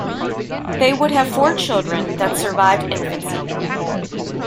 They would have four children that survived infancy.